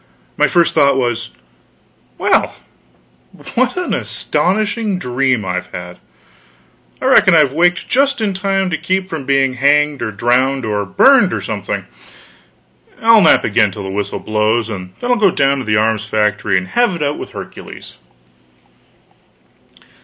My first thought was, "Well, what an astonishing dream I've had! I reckon I've waked only just in time to keep from being hanged or drowned or burned or something.... I'll nap again till the whistle blows, and then I'll go down to the arms factory and have it out with Hercules."